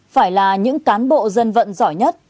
phải là những cán bộ dân vận giỏi nhất